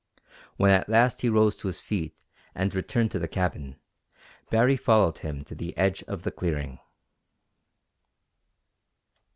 When at last he rose to his feet and returned to the cabin, Baree followed him to the edge of the clearing.